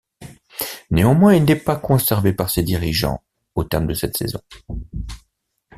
Néanmoins, il n'est pas conservé par ses dirigeants au terme de cette saison.